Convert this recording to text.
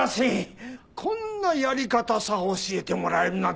こんなやり方さ教えてもらえるなんて